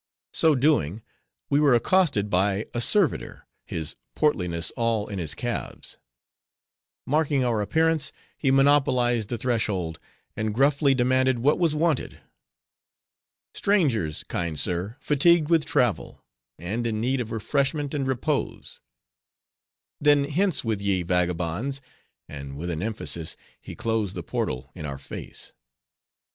So doing, we were accosted by a servitor, his portliness all in his calves. Marking our appearance, he monopolized the threshold, and gruffly demanded what was wanted. "Strangers, kind sir, fatigued with travel, and in need of refreshment and repose." "Then hence with ye, vagabonds!" and with an emphasis, he closed the portal in our face.